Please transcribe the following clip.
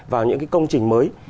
vào những cái công trình mới